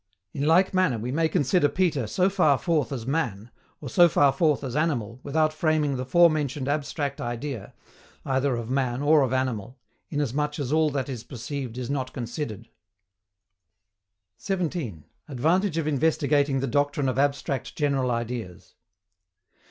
In like manner we may consider Peter so far forth as man, or so far forth as animal without framing the fore mentioned abstract idea, either of man or of animal, inasmuch as all that is perceived is not considered. 17. ADVANTAGE OF INVESTIGATING THE DOCTRINE OF ABSTRACT GENERAL IDEAS.